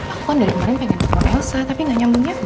aku kan dari kemarin pengen telfon elsa tapi nggak nyambungnya belum